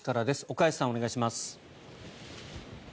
岡安さん、お願いします。